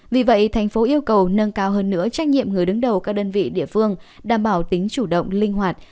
vì vậy thành phố yêu cầu nâng cao hơn nữa trách nhiệm người đứng đầu các đơn vị địa phương đảm bảo tính chủ động linh hoạt